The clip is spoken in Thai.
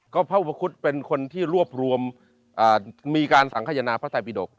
ก็พระอุปคุฎเป็นคนที่รวบรวมมีการสังขยนาพระไทยปิดก